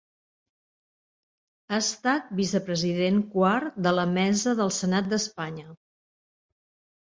Ha estat vicepresident quart de la Mesa del Senat d'Espanya.